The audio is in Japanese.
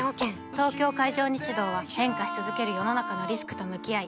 東京海上日動は変化し続ける世の中のリスクと向き合い